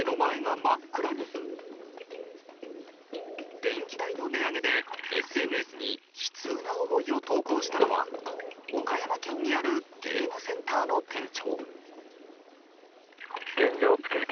電気代の値上げで、ＳＮＳに悲痛な思いを投稿したのは岡山県にあるゲームセンターの店長。